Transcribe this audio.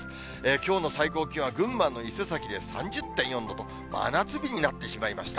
きょうの最高気温は、群馬の伊勢崎で３０．４度と、真夏日になってしまいました。